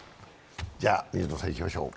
じゃあ、水野さんいきましょう。